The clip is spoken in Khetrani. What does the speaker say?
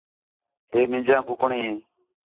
ہے مینجیاں کُکڑیں